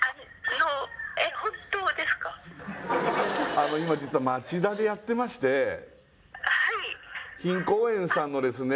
あの今実は町田でやってまして品香園さんのですね